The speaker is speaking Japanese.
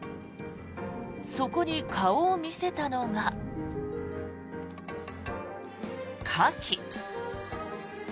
そこに顔を見せたのがカキ。